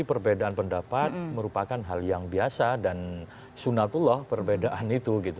perbedaan pendapat merupakan hal yang biasa dan sunatullah perbedaan itu gitu